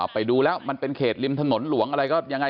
ไปดูแล้วมันเป็นเขตริมถนนหลวงอะไรก็ยังไง